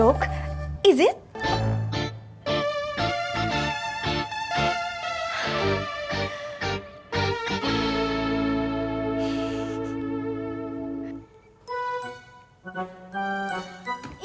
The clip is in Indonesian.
oh dulu sudah